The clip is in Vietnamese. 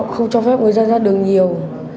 không cho phép người dân ra đường nhiều